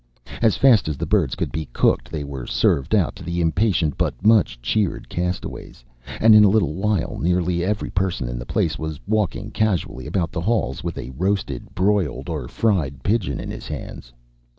As fast as the birds could be cooked they were served out to the impatient but much cheered castaways, and in a little while nearly every person in the place was walking casually about the halls with a roasted, broiled, or fried pigeon in his hands.